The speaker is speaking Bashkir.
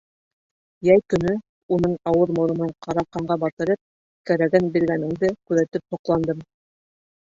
Йәй көнө уның ауыҙ-моронон ҡара ҡанға батырып, кәрәген биргәнеңде күҙәтеп һоҡландым.